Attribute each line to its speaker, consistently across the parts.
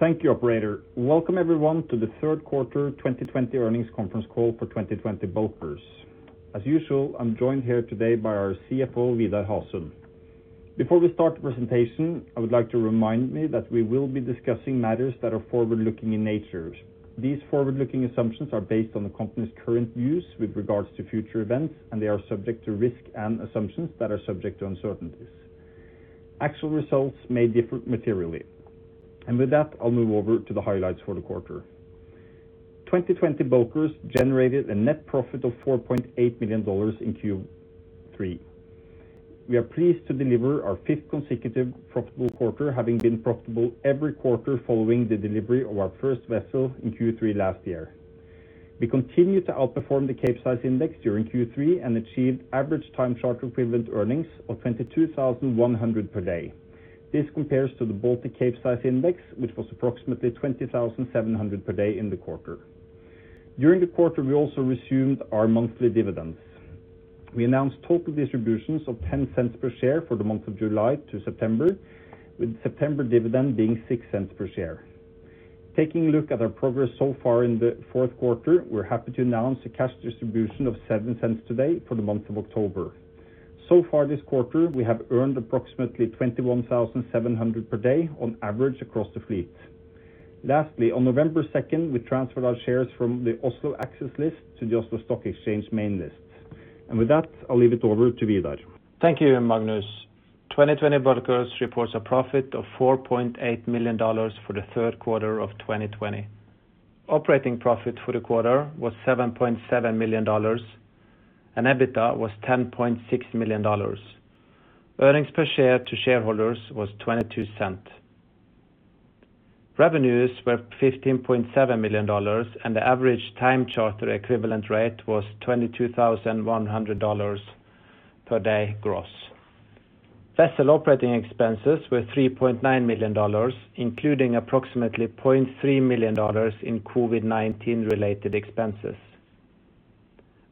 Speaker 1: Thank you operator. Welcome everyone to the third quarter 2020 earnings conference call for 2020 Bulkers. As usual, I'm joined here today by our CFO, Vidar Hasund. Before we start the presentation, I would like to remind me that we will be discussing matters that are forward-looking in nature. These forward-looking assumptions are based on the company's current views with regards to future events, and they are subject to risk and assumptions that are subject to uncertainties. Actual results may differ materially. With that, I'll move over to the highlights for the quarter. 2020 Bulkers generated a net profit of $4.8 million in Q3. We are pleased to deliver our fifth consecutive profitable quarter, having been profitable every quarter following the delivery of our first vessel in Q3 last year. We continue to outperform the Capesize Index during Q3 and achieved average time charter equivalent earnings of $22,100 per day. This compares to the Baltic Capesize Index, which was approximately $20,700 per day in the quarter. During the quarter, we also resumed our monthly dividends. We announced total distributions of $0.10 per share for the month of July to September, with September dividend being $0.06 per share. Taking a look at our progress so far in the fourth quarter, we're happy to announce a cash distribution of $0.07 today for the month of October. Far this quarter, we have earned approximately $21,700 per day on average across the fleet. Lastly, on November 2nd, we transferred our shares from the Oslo Axess list to the Oslo Stock Exchange main list. With that, I'll leave it over to Vidar.
Speaker 2: Thank you, Magnus. 2020 Bulkers reports a profit of $4.8 million for the third quarter of 2020. Operating profit for the quarter was $7.7 million, and EBITDA was $10.6 million. Earnings per share to shareholders was $0.22. Revenues were $15.7 million, and the average time charter equivalent rate was $22,100 per day gross. Vessel operating expenses were $3.9 million, including approximately $0.3 million in COVID-19 related expenses.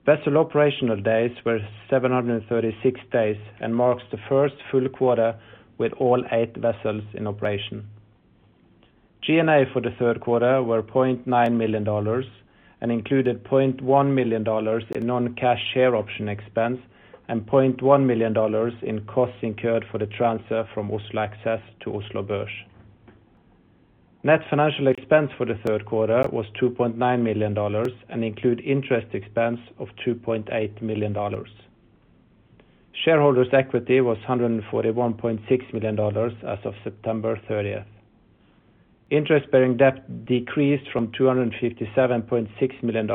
Speaker 2: Vessel operational days were 736 days and marks the first full quarter with all eight vessels in operation. G&A for the third quarter were $0.9 million and included $0.1 million in non-cash share option expense and $0.1 million in costs incurred for the transfer from Oslo Axess to Oslo Børs. Net financial expense for the third quarter was $2.9 million and include interest expense of $2.8 million. Shareholders' equity was $141.6 million as of September 30th. Interest-bearing debt decreased from $257.6 million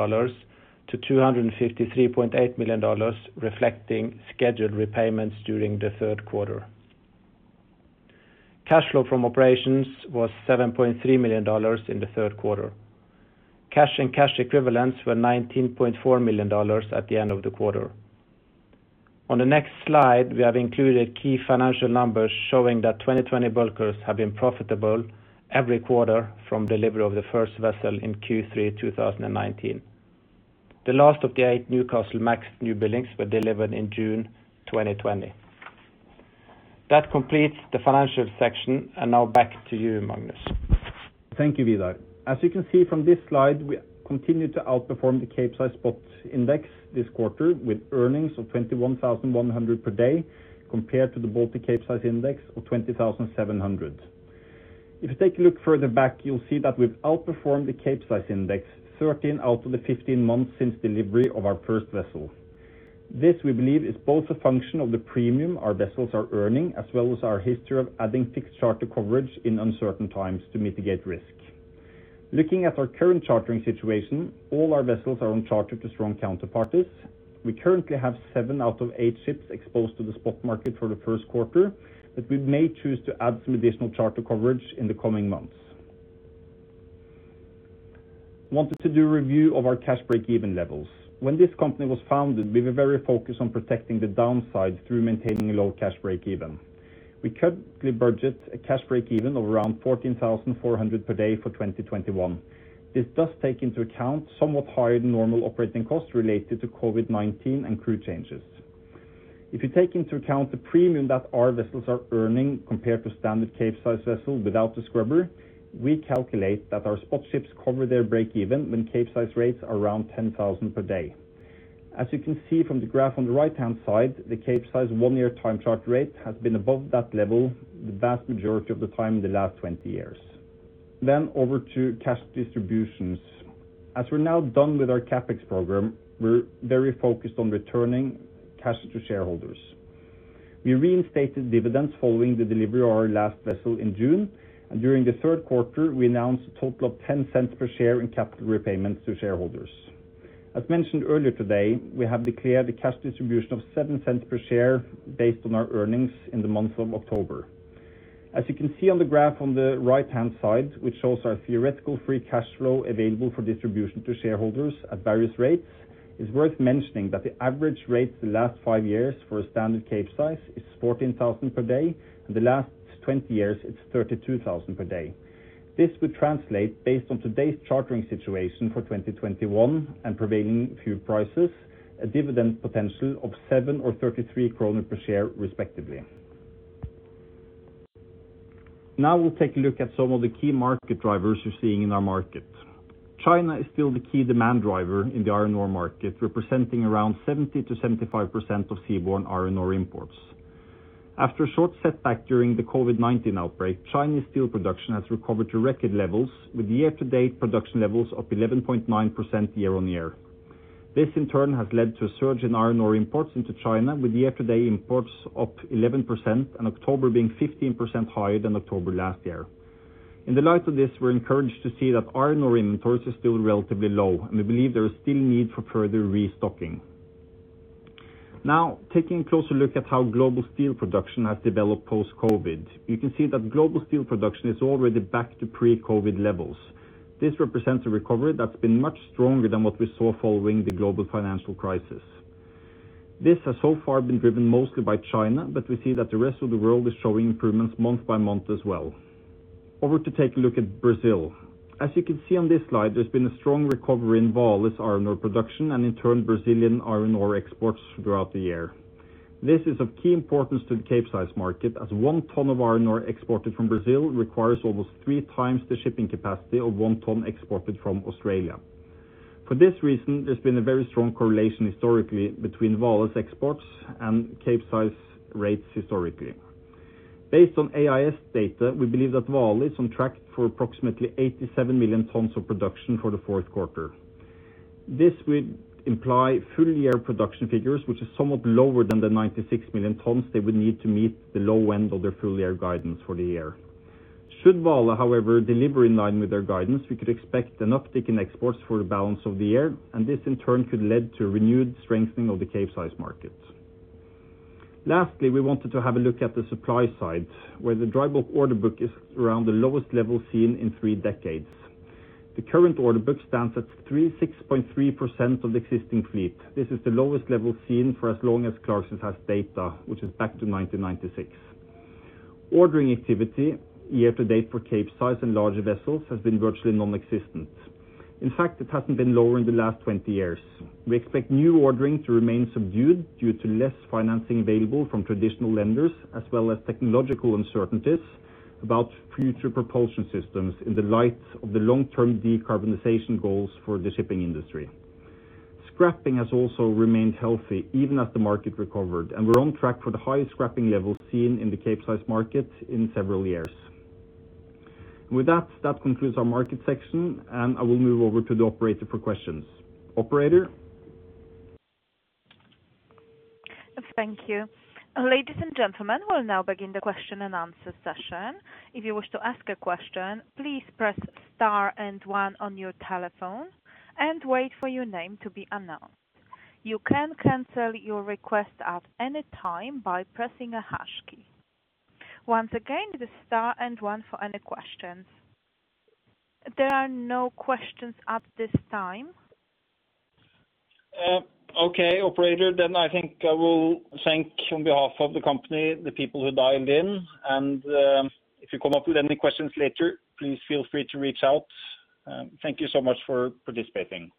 Speaker 2: to $253.8 million, reflecting scheduled repayments during the third quarter. Cash flow from operations was $7.3 million in the third quarter. Cash and cash equivalents were $19.4 million at the end of the quarter. On the next slide, we have included key financial numbers showing that 2020 Bulkers have been profitable every quarter from delivery of the first vessel in Q3 2019. The last of the eight Newcastlemax newbuildings were delivered in June 2020. That completes the financial section. Now back to you, Magnus.
Speaker 1: Thank you, Vidar. As you can see from this slide, we continue to outperform the Capesize spot index this quarter with earnings of $21,100 per day compared to the Baltic Capesize Index of $20,700. If you take a look further back, you'll see that we've outperformed the Capesize index 13 out of the 15 months since delivery of our first vessel. This, we believe, is both a function of the premium our vessels are earning, as well as our history of adding fixed charter coverage in uncertain times to mitigate risk. Looking at our current chartering situation, all our vessels are on charter to strong counterparties. We currently have seven out of eight ships exposed to the spot market for the first quarter, but we may choose to add some additional charter coverage in the coming months. Wanted to do a review of our cash break-even levels. When this company was founded, we were very focused on protecting the downside through maintaining a low cash break-even. We currently budget a cash break-even of around $14,400 per day for 2021. This does take into account somewhat higher than normal operating costs related to COVID-19 and crew changes. If you take into account the premium that our vessels are earning compared to standard Capesize vessels without the scrubber, we calculate that our spot ships cover their break-even when Capesize rates are around $10,000 per day. You can see from the graph on the right-hand side, the Capesize one-year time charter rate has been above that level the vast majority of the time in the last 20 years. Over to cash distributions. We're now done with our CapEx program, we're very focused on returning cash to shareholders. We reinstated dividends following the delivery of our last vessel in June, and during the third quarter, we announced a total of $0.10 per share in capital repayments to shareholders. As mentioned earlier today, we have declared a cash distribution of $0.07 per share based on our earnings in the month of October. As you can see on the graph on the right-hand side, which shows our theoretical free cash flow available for distribution to shareholders at various rates, it's worth mentioning that the average rate for the last five years for a standard Capesize is $14,000 per day, and the last 20 years it's $32,000 per day. This would translate based on today's chartering situation for 2021 and prevailing fuel prices, a dividend potential of $7 or $33 per share, respectively. We'll take a look at some of the key market drivers we're seeing in our market. China is still the key demand driver in the iron ore market, representing around 70%-75% of seaborne iron ore imports. After a short setback during the COVID-19 outbreak, Chinese steel production has recovered to record levels, with year-to-date production levels up 11.9% year-on-year. This, in turn, has led to a surge in iron ore imports into China, with year-to-date imports up 11% and October being 15% higher than October last year. In the light of this, we are encouraged to see that iron ore inventories are still relatively low, and we believe there is still need for further restocking. Now, taking a closer look at how global steel production has developed post-COVID. You can see that global steel production is already back to pre-COVID levels. This represents a recovery that's been much stronger than what we saw following the global financial crisis. This has so far been driven mostly by China. We see that the rest of the world is showing improvements month by month as well. Over to take a look at Brazil. As you can see on this slide, there's been a strong recovery in Vale's iron ore production and in turn, Brazilian iron ore exports throughout the year. This is of key importance to the Capesize market as one ton of iron ore exported from Brazil requires almost three times the shipping capacity of one ton exported from Australia. For this reason, there's been a very strong correlation historically between Vale's exports and Capesize rates historically. Based on AIS data, we believe that Vale is on track for approximately 87 million tons of production for the fourth quarter. This would imply full-year production figures, which is somewhat lower than the 96 million tons they would need to meet the low end of their full-year guidance for the year. Should Vale, however, deliver in line with their guidance, we could expect an uptick in exports for the balance of the year, this in turn could lead to a renewed strengthening of the Capesize market. Lastly, we wanted to have a look at the supply side, where the dry bulk order book is around the lowest level seen in three decades. The current order book stands at 36.3% of the existing fleet. This is the lowest level seen for as long as Clarksons has data, which is back to 1996. Ordering activity year-to-date for Capesize and larger vessels has been virtually non-existent. In fact, it hasn't been lower in the last 20 years. We expect new ordering to remain subdued due to less financing available from traditional lenders, as well as technological uncertainties about future propulsion systems in the light of the long-term decarbonization goals for the shipping industry. Scrapping has also remained healthy even as the market recovered, and we're on track for the highest scrapping levels seen in the Capesize market in several years. With that concludes our market section and I will move over to the operator for questions. Operator?
Speaker 3: Thank you. Ladies and gentlemen, we'll now begin the question-and-answer session. If you wish to ask a question, please press star and one on your telephone and wait for your name to be announced. You can cancel your request at any time by pressing a hash key. Once again, it is star and one for any questions. There are no questions at this time.
Speaker 1: Okay. Operator, I think I will thank on behalf of the company, the people who dialed in. If you come up with any questions later, please feel free to reach out. Thank you so much for participating.